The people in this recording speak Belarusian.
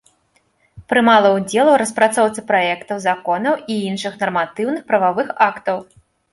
Прымала ўдзел у распрацоўцы праектаў законаў і іншых нарматыўных прававых актаў.